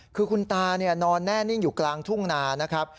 คือคุณตานอนแน่นิ่งอยู่กลางทุ่งนานะครับ